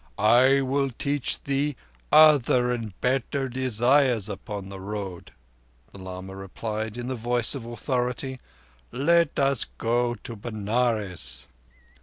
"I will teach thee other and better desires upon the road," the lama replied in the voice of authority. "Let us go to Benares."